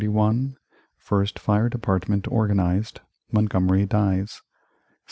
First Fire Department organized Montgomery dies 1732.